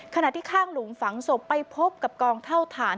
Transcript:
ขณะที่ข้างหลุมฝังศพไปพบกับกองเท่าฐาน